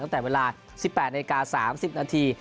ตั้งแต่เวลา๑๘นาที๓๐นาที